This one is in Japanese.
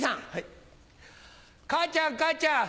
母ちゃん母ちゃん。